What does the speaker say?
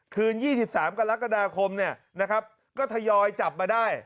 คืน๒๓กรกฎาคมก็ทยอยจับมาได้